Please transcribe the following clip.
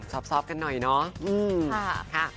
ซอบกันหน่อยเนาะ